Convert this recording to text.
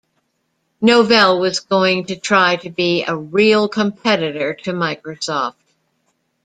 Novell was going to try to be a real competitor to Microsoft.